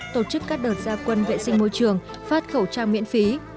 tổ chức các đợt gia quân vệ sinh môi trường phát khẩu trang miễn phí